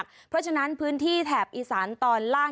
เพราะฉะนั้นพื้นที่แถบอีสานตอนล่าง